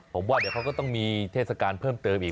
ผมว่าเดี๋ยวเขาก็ต้องมีเทศกาลเพิ่มเติมอีก